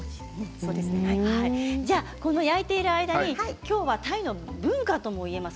焼いている間にきょうはタイの文化ともいえます